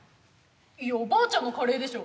いやおばあちゃんのカレーでしょ。